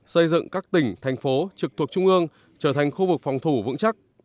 xây dựng các tỉnh thành phố trực thuộc trung ương trở thành khu vực phòng thủ vững chắc